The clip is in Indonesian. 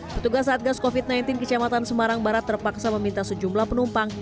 petugas satgas covid sembilan belas kecamatan semarang barat terpaksa meminta sejumlah penumpang